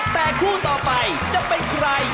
แต่คู่ต่อไปจะเป็นใคร